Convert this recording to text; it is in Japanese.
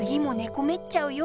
こめっちゃうよ。